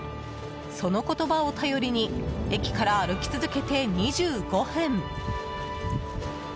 その言葉を頼りに駅から歩き続けて２５分。